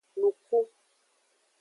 Nuku.